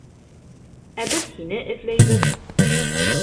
Ә беҙ һине эҙләйбеҙ!